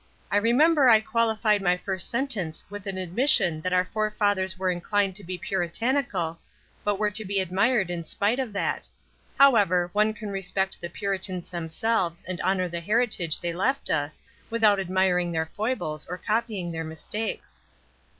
I remember I quaU fied my first sentence with an admission that our forefathers were inchned to be Puritanical, but were to be admired in spite of that. How ever, one can respect the Puritans themselves and honor the heritage they left us without admiring their foibles or copying then mistakes."